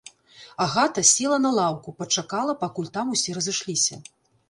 Агата села на лаўку, пачакала, пакуль там усе разышліся.